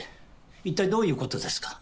一体どういうことですか？